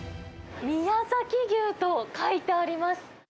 宮崎牛と書いてあります。